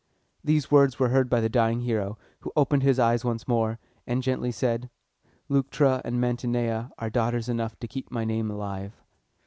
These words were heard by the dying hero, who opened his eyes once more, and gently said, "Leuctra and Mantinea are daughters enough to keep my name alive!"